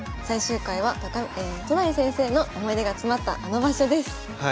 最終回は都成先生の思い出が詰まったあの場所です。